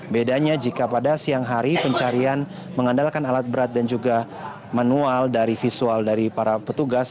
bedanya jika pada siang hari pencarian mengandalkan alat berat dan juga manual dari visual dari para petugas